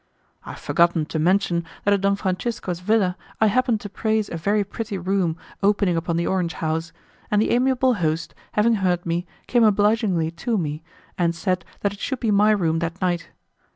I have forgotten to mention that at Don Francisco's villa I happened to praise a very pretty room opening upon the orange house, and the amiable host, having heard me, came obligingly to me, and said that it should be my room that night.